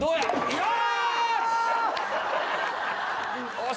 よし！